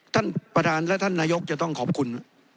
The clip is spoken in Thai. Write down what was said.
ท่านประธานและท่านนายกจะต้องขอบคุณ